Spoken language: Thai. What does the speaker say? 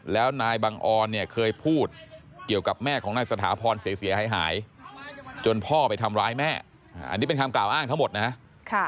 แล้วนายบังออนเนี่ยเคยพูดเกี่ยวกับแม่ของนายสถาพรเสียหายจนพ่อไปทำร้ายแม่อันนี้เป็นคำกล่าวอ้างทั้งหมดนะฮะ